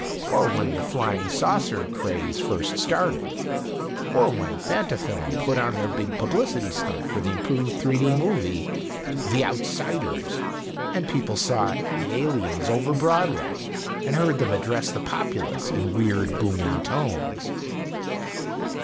Or when the 'Flying Saucer' craze first started. Or when Fantafilm put on their big publicity stunt for the improved 3 D movie, 'The Outsiders', and people saw the aliens over Broadway and heard them address the populace in weird, booming tones.